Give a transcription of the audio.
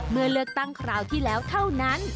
เมื่อเลือกตั้งคราวที่แล้วเท่านั้น